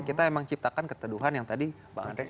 kita memang ciptakan keteduhan yang tadi bang andre